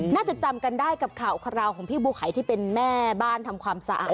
น่าจะจำกันได้กับข่าวคราวของพี่บัวไข่ที่เป็นแม่บ้านทำความสะอาด